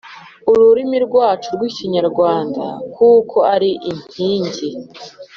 ururimi rwacu rw’Ikinyarwanda kuko ariyo nkingi